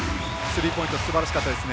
スリーポイントすばらしかったです。